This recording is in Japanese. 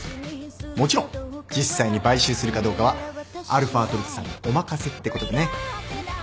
もちろん実際に買収するかどうかはαトルテさんにお任せってことでね。